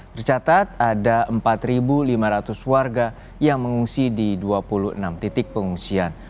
tercatat ada empat lima ratus warga yang mengungsi di dua puluh enam titik pengungsian